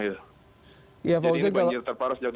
jadi ini banjir terparah sejak dua ribu tujuh